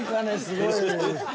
すごいね。